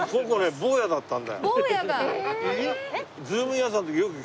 坊やだったんだ。